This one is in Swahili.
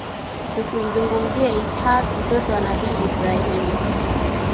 Tukimzungumzia ishaaq mtoto wa Nabii Ibraahiym